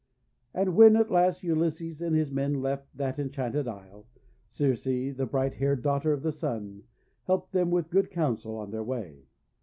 And when at last Ulysses and his men left «/ that enchanted isle, Circe, the bright haired daughter of the Sun, helped them with good counsel on their way.